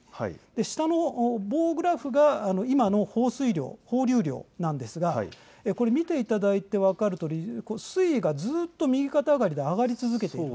下の棒グラフが今の放水量放流量なんですが見ていただいて分かるとおり水位がずっと右肩上がりで上がり続けている。